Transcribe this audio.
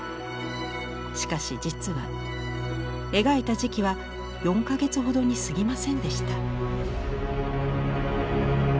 しかし実は描いた時期は４か月ほどにすぎませんでした。